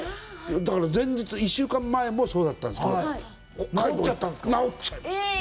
だから前日、１週間前もそうだったんですけど、治っちゃったんですか！？